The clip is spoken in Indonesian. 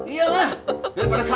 iya lah dari pada syarat